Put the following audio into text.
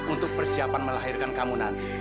untuk persiapan melahirkan kamu nanti